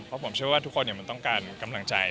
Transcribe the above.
เพราะผมเชื่อว่าทุกคนมันต้องการกำลังใจ